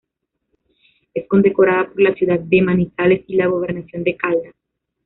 Es condecorada por la ciudad de Manizales y la Gobernación de Caldas.